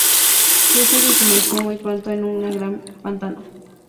Rusia se sumergió muy pronto en un gran pantano.